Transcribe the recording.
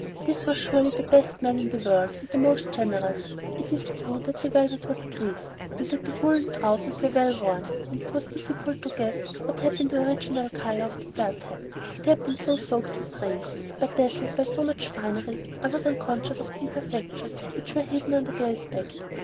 This was surely the best man in the world, and the most generous. It is true that the velvet was creased, and that the woolen trousers were well worn, and it was difficult to guess what had been the original color of the felt hat, it had been so soaked with rain; but dazzled by so much finery I was unconscious of the imperfections which were hidden under their aspect.